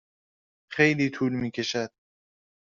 خیلی طول می کشد.